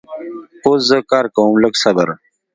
اوس زه کار کوم لږ صبر